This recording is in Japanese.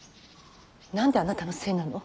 何であなたのせいなの。